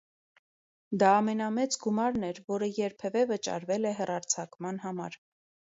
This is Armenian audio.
Դա ամենամեծ գումարն էր, որը երբևէ վճարվել է հեռարձակման համար։